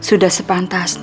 udah mau siapin kain